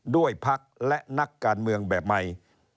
ด้วยพักและนักการเมืองแบบใหม่